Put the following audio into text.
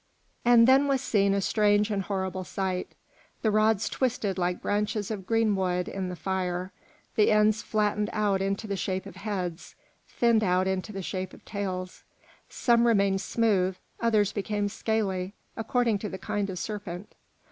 And then was seen a strange and horrible sight. The rods twisted like branches of green wood in the fire, the ends flattened out into the shape of heads, thinned out into the shape of tails. Some remained smooth, others became scaly, according to the kind of serpent.